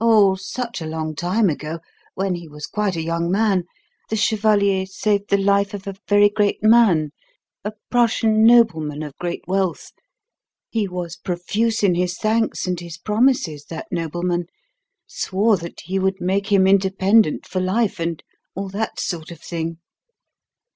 Oh, such a long time ago, when he was quite a young man, the chevalier saved the life of a very great man, a Prussian nobleman of great wealth. He was profuse in his thanks and his promises, that nobleman; swore that he would make him independent for life, and all that sort of thing."